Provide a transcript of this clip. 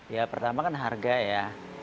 ya pertama kan harga ya